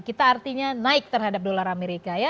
kita artinya naik terhadap dolar amerika ya